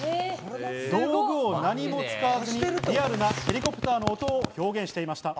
道具を何も使わずにリアルなヘリコプターの音を表現していました。